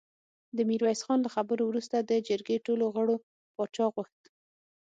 د ميرويس خان له خبرو وروسته د جرګې ټولو غړو پاچا غوښت.